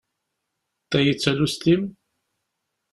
Tagi, d talwest-im?